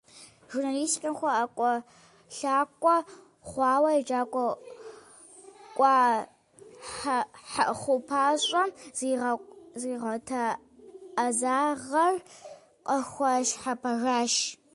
Журналистикэм хуэӏэкӏуэлъакӏуэ хъуауэ еджакӏуэ кӏуа Хьэхъупащӏэм зригъэгъуэта ӏэзагъэр къыхуэщхьэпэжащ.